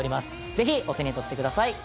ぜひお手に取ってください。